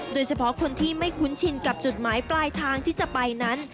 โดยเฉพาะคนที่ไม่คุ้นชินกับจุดหมายปลายทางที่จะไปนั้น